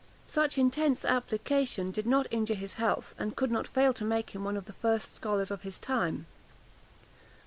Such intense application did not injure his health, and could not fail to make him one of the first scholars of his time.